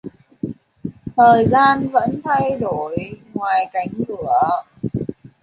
Thời gian vẫn đổi thay ngoài cánh cửa